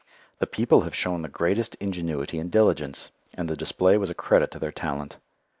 The people have shown the greatest ingenuity and diligence, and the display was a credit to their talent.